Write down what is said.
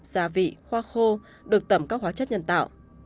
gia vị khoa khô được tẩm các hóa chất nhân tạo